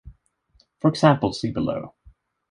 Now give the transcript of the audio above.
For examples see below.